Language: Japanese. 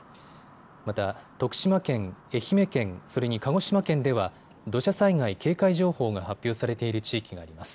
また、徳島県、愛媛県、それに鹿児島県では土砂災害警戒情報が発表されている地域があります。